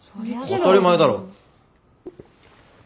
当たり前だろ。